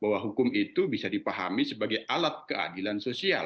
bahwa hukum itu bisa dipahami sebagai alat keadilan sosial